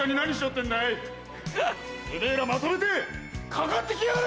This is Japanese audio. てめぇらまとめてかかって来やがれ！